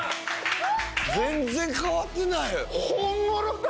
全然変わってない。